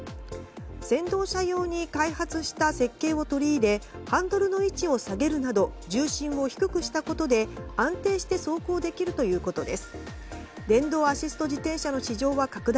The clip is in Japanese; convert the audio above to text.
先導車用に開発した設計を取り入れハンドルの位置を下げるなど重心を低くしたことで安定して走行できるということです。